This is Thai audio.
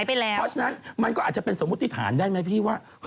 เพราะฉะนั้นมันก็อาจจะเป็นสมมุติฐานได้ไหมพี่ว่า